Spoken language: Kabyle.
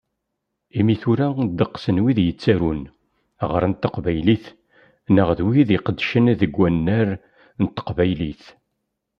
Imi tura ddeqs n wid yettarun, ɣran taqbaylit neɣ d wid iqeddcen deg unnar n teqbaylit